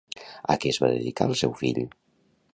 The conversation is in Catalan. A què es va dedicar el seu fill?